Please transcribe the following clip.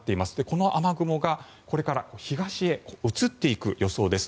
この雨雲がこれから東へ移っていく予想です。